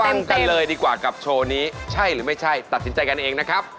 กันเลยดีกว่ากับโชว์นี้ใช่หรือไม่ใช่ตัดสินใจกันเองนะครับ